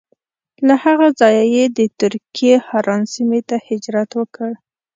له هغه ځایه یې د ترکیې حران سیمې ته هجرت وکړ.